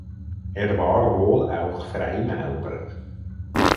Er war wohl auch Freimaurer.